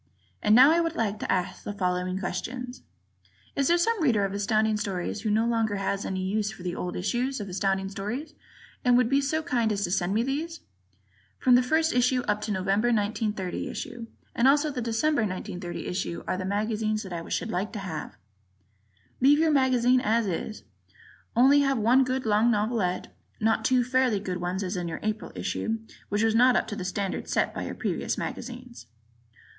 And now I would like to ask the following questions: Is there some Reader of Astounding Stories who no longer has any use for the old issues of Astounding Stories and would be so kind as to send me these? From the first issue up to the November, 1930, issue and also the December, 1930, issue are the magazines that I should like to have. Leave your magazine as is, only have one good long novelette, not two fairly good ones as in your April issue, which was not up to the standard set by your previous magazines.